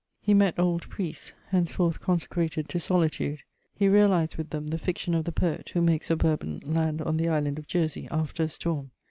He met old priests, henceforth consecrated to solitude; he realized with them the fiction of the poet who makes a Bourbon land on the island of Jersey after a storm.